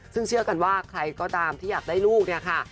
ซึ่งเชื่อกันว่าใครก็ตามที่อยากได้ลูกเนี่ยค่ะ